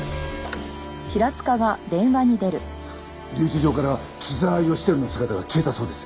留置場から木沢義輝の姿が消えたそうです。